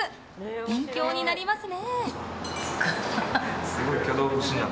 勉強になりますね。